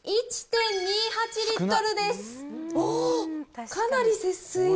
おお、かなり節水。